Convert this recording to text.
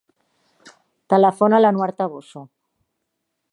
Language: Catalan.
Telefona a l'Anouar Toboso.